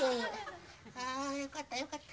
あよかったよかった。